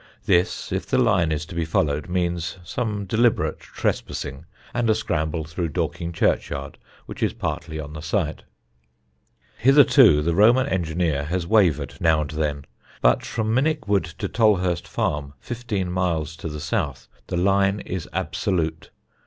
This, if the line is to be followed, means some deliberate trespassing and a scramble through Dorking churchyard, which is partly on the site. Hitherto the Roman engineer has wavered now and then, but from Minnickwood to Tolhurst Farm, fifteen miles to the south, the line is absolute.